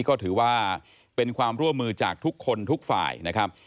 ก็ถือว่าเป็นความร่วมมือจากทุกคนทุกฝ่ายนะครับ